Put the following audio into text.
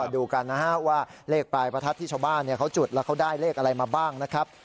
ดูกันนะฮะว่าเลขปลายประทัดที่ชาวบ้านเขาจุดแล้วเขาได้เลขอะไรมาบ้างนะครับ